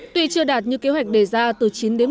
tuy chưa đạt như kế hoạch đề ra từ chín đến một mươi